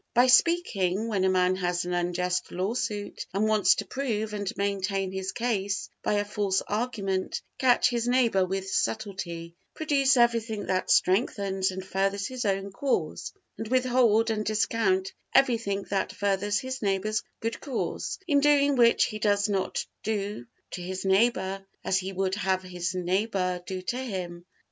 By speaking, when a man has an unjust law suit, and wants to prove and maintain his case by a false argument, catch his neighbor with subtilty, produce everything that strengthens and furthers his own cause, and withhold and discount everything that furthers his neighbor's good cause; in doing which he does not do to his neighbor as he would have his neighbor do to him.